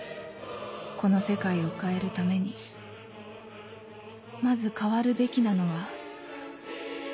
この世界を変えるためにまず変わるべきなのは